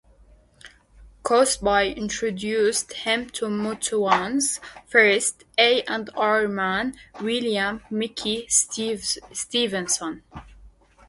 Cosby introduced him to Motown's first A and R man, William "Mickey" Stevenson.